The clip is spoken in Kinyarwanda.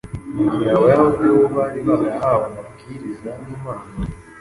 mu gihe Abayahudi bo bari barahawe amabwiriza n’Imana